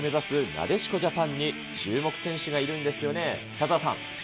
なでしこジャパンに、注目選手がいるんですよね、北澤さん。